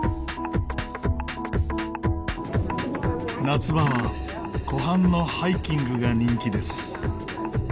夏場は湖畔のハイキングが人気です。